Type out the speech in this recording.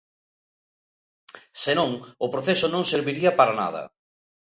Senón, o proceso non serviría para nada.